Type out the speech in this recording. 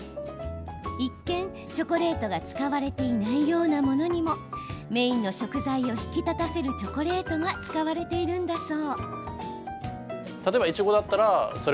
一見チョコレートが使われていないようなものにもメインの食材を引き立たせるチョコレートが使われているんだそう。